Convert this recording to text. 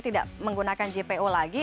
tidak menggunakan jpo lagi